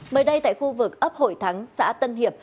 mới đây tại khu vực ấp hội thắng xã tân hiệp